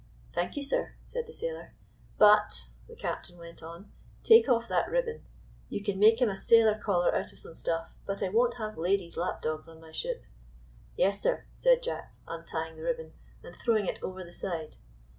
" Thank you, sir," said the sailor. " But," the captain went on, " take off that ribbon. You can make him a sailor collar out of some stuff, but I won't have ladies' lapdogs on my ship." " Yes, sir," said Jack, untying the ribbon and throwing it over the side.